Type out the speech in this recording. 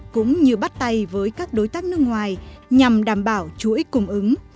cũng như bắt tay với các đối tác nước ngoài nhằm đảm bảo chuỗi cung ứng